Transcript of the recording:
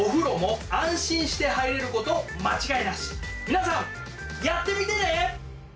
皆さんやってみてね！